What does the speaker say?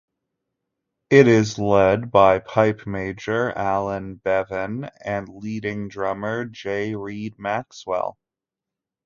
It is led by pipe major Alan Bevan and leading drummer J. Reid Maxwell.